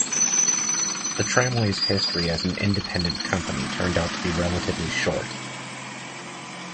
The tramway's history as an independent company turned out to be relatively short.